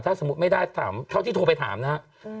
ถ้าสมมุติไม่ได้ถามเท่าที่โทรไปถามนะครับ